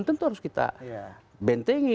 tentu harus kita bentengi